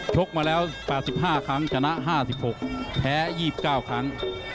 กมาแล้ว๘๕ครั้งชนะ๕๖แพ้๒๙ครั้ง